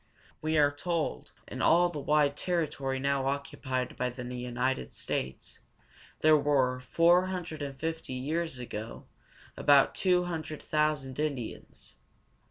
We are told that in all the wide territory now occupied by the United States, there were, four hundred and fifty years ago, about two hundred thousand Indians.